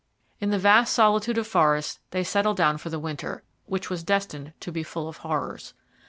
In the vast solitude of forest they settled down for the winter, which was destined to be full of horrors.